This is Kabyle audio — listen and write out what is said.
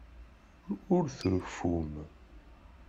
Ur treffum.